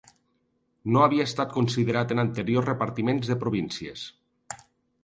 No havia estat considerat en anteriors repartiments de províncies.